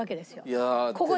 いや